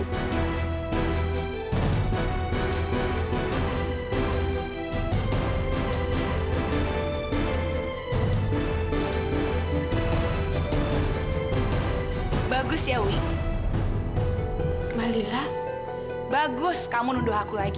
sebenarnya ini sudah mulai